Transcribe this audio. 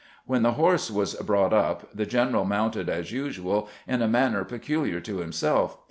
When the horse was brought up the general mounted as usual in a manner peculiar to himself.